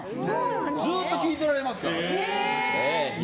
ずっと聞いてられますから。